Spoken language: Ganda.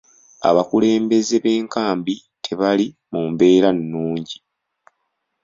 Abakulembeze b'enkambi tebali mu mbeera nnungi.